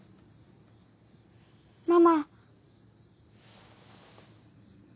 ママ。